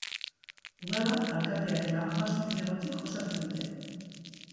Udala alkateak eta hamasei zinegotzik osatzen dute.